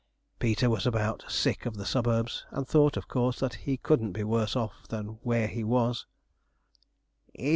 Peter was about sick of the suburbs, and thought, of course, that he couldn't be worse off than where he was.